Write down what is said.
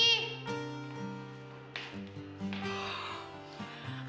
jangan badain liat